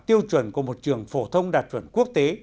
tiêu chuẩn của một trường phổ thông đạt chuẩn quốc tế